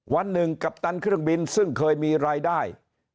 วันหนึ่งกัปตันเครื่องบินซึ่งเคยมีรายได้